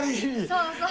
「そうそう」